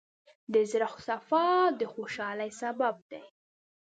د زړۀ صفا د خوشحالۍ سبب دی.